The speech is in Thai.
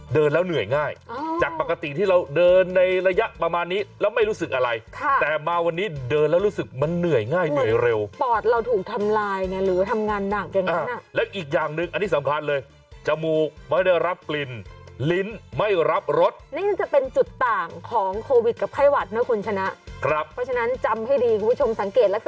เดินแล้วเหนื่อยง่ายจากปกติที่เราเดินในระยะประมาณนี้แล้วไม่รู้สึกอะไรแต่มาวันนี้เดินแล้วรู้สึกมันเหนื่อยง่ายเหนื่อยเร็วปอดเราถูกทำลายไงหรือทำงานหนักอย่างนั้นแล้วอีกอย่างหนึ่งอันนี้สำคัญเลยจมูกไม่ได้รับกลิ่นลิ้นไม่รับรสนี่มันจะเป็นจุดต่างของโควิดกับไข้หวัดนะคุณชนะครับเพราะฉะนั้นจำให้ดีคุณผู้ชมสังเกตลักษณะ